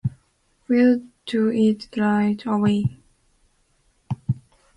We'll do it right away!